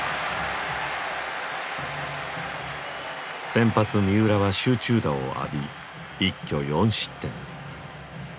先発三浦は集中打を浴び一挙４失点。